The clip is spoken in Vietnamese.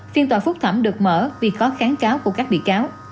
phiên tòa phúc thẩm được mở vì có kháng cáo của các bị cáo